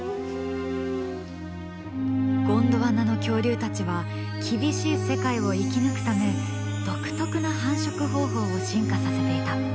ゴンドワナの恐竜たちは厳しい世界を生き抜くため独特な繁殖方法を進化させていた。